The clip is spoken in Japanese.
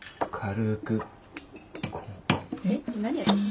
えっ何やってんの？